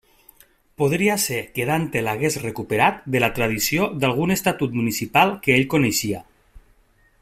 Podria ser que Dante l'hagués recuperat de la tradició d'algun estatut municipal que ell coneixia.